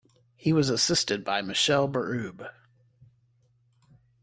He was assisted by Michelle Berube.